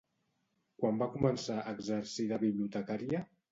Quan va començar a exercir de bibliotecària?